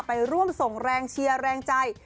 ไปร่วมส่งแรงเชียร์แรงใจ